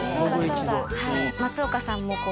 「松岡さんと」